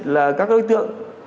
là các đối tượng